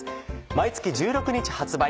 毎月１６日発売。